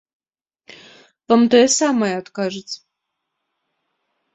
Вам тое самае адкажуць.